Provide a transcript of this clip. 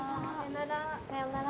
さようなら。